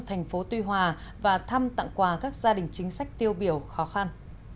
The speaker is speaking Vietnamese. thành phố tuy hòa và thăm tặng quà các gia đình chính sách tiêu biểu khó khăn